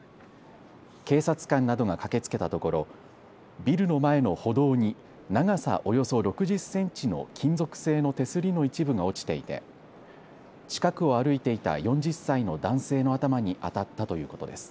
警察官などが駆けつけたところビルの前の歩道に長さおよそ６０センチの金属製の手すりの一部が落ちていて近くを歩いていた４０歳の男性の頭に当たったということです。